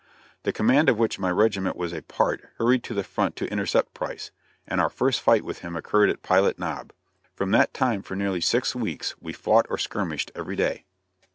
The command of which my regiment was a part hurried to the front to intercept Price, and our first fight with him occurred at Pilot Knob. From that time for nearly six weeks we fought or skirmished every day.